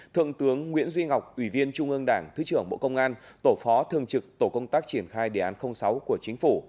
thượng tướng nguyễn duy ngọc ủy viên trung ương đảng thứ trưởng bộ công an tổ phó thường trực tổ công tác triển khai đề án sáu của chính phủ